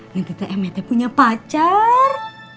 nanti tuh eme tuh punya pacar